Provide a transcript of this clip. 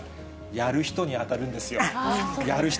やる人に当たるんですよ。